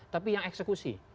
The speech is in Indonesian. tapi yang eksekusi